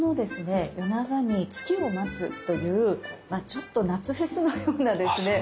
夜長に月を待つというちょっと夏フェスのようなですね